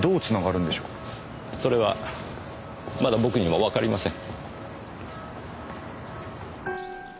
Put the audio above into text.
それはまだ僕にもわかりません。